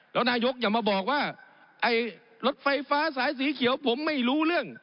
แล้วนายกอย่ามาบอกว่าไอ้รถไฟฟ้าสายสีเขียวผมไม่รู้เรื่อง